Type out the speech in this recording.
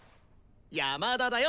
山田だよ！